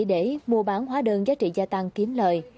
để mua bán hóa đơn giá trị gia tăng kiếm lời